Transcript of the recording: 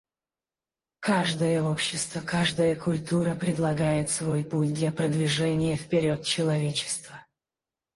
Каждое общество, каждая культура предлагает свой путь для продвижения вперед человечества.